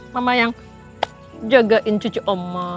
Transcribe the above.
mama yang jagain cuci oma